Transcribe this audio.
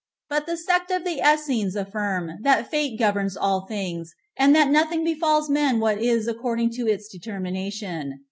But the sect of the Essens affirm, that fate governs all things, and that nothing befalls men but what is according to its determination.